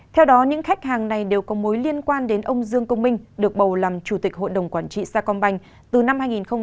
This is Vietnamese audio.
theo đó những khách hàng này đều có mối liên quan đến ông dương công minh được bầu làm chủ tịch hội đồng quản trị sa công banh từ năm hai nghìn một mươi bảy